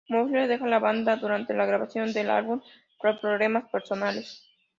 Mosley deja la banda durante la grabación del álbum por problemas personales.